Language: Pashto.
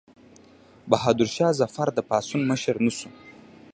بهادر شاه ظفر د پاڅون مشر شو.